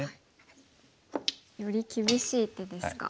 より厳しい手ですか。